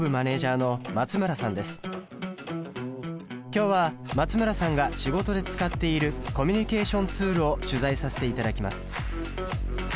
今日は松村さんが仕事で使っているコミュニケーションツールを取材させていただきます。